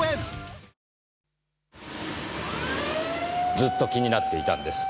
ずっと気になっていたんです。